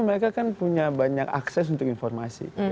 mereka kan punya banyak akses untuk informasi